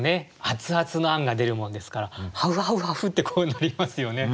アツアツのあんが出るもんですからハフハフハフってこうなりますよね。